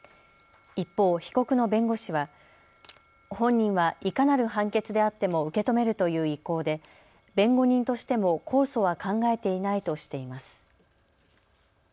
一方、被告の弁護士は本人はいかなる判決であっても受け止めるという意向で弁護人としても控訴は考えていないとしています。